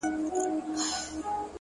نیک اخلاق خاموشه درناوی زېږوي